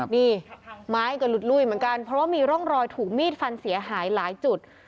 นี่ไม้ก็หลุดลุ้ยเหมือนกันเพราะว่ามีร่องรอยถูกมีดฟันเสียหายหลายจุด